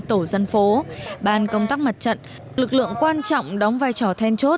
tổ dân phố ban công tác mặt trận lực lượng quan trọng đóng vai trò then chốt